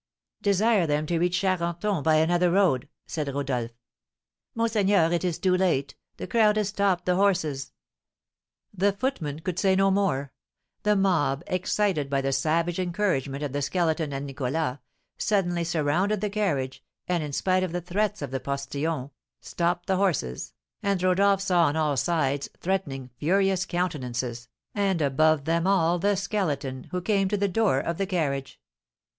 "Desire them to reach Charenton by another road," said Rodolph. "Monseigneur, it is too late, the crowd has stopped the horses." The footman could say no more. The mob, excited by the savage encouragement of the Skeleton and Nicholas, suddenly surrounded the carriage, and, in spite of the threats of the postilions, stopped the horses, and Rodolph saw on all sides threatening, furious countenances, and above them all the Skeleton, who came to the door of the carriage.